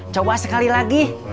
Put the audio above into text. coba sekali lagi